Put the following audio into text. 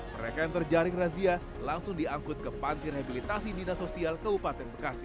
mereka yang terjaring razia langsung diangkut ke panti rehabilitasi dinas sosial kabupaten bekasi